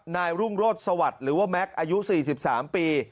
นายรุ่งโรศสวัสดิ์หรือว่าแม็กซ์อายุ๔๓ปี